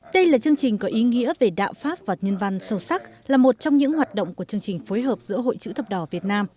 đây là chương trình có ý nghĩa về đạo pháp và nhân văn sâu sắc là một trong những hoạt động của chương trình phối hợp giữa hội chữ thập đỏ việt nam